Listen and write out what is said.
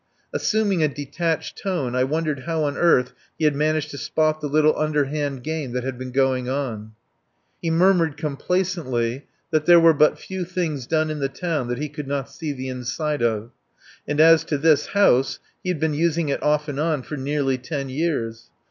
Assuming a detached tone, I wondered how on earth he had managed to spot the little underhand game that had been going on. He murmured complacently that there were but few things done in the town that he could not see the inside of. And as to this house, he had been using it off and on for nearly ten years.